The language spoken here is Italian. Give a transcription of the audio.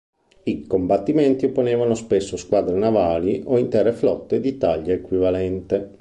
I combattimenti opponevano spesso squadre navali o intere flotte di taglia equivalente.